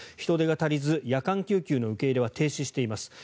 人手が足りず夜間救急の受け入れは停止しています